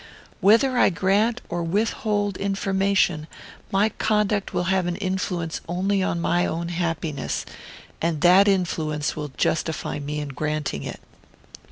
Whether I grant or withhold information, my conduct will have influence only on my own happiness, and that influence will justify me in granting it.